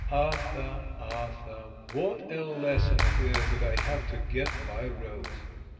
Arthur, Arthur, what a lesson it is that I have to get by rote!